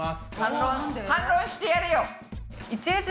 反論してやれよ。